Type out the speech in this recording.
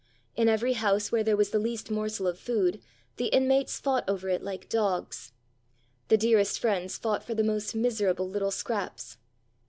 In every house where there was the least morsel of food the in mates fought over it hke dogs. The dearest friends fought for the most miserable little scraps.